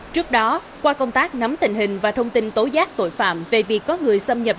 trước đó qua công tác nắm tình hình và thông tin tố giác tội phạm về việc có người xâm nhập